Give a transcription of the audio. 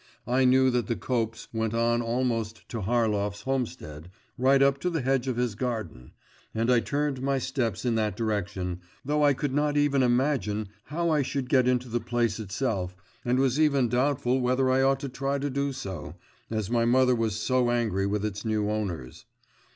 I knew that the copse went on almost to Harlov's homestead, right up to the hedge of his garden, and I turned my steps in that direction, though I could not even imagine how I should get into the place itself, and was even doubtful whether I ought to try to do so, as my mother was so angry with its new owners.